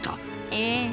ええ。